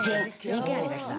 ２軒ありました。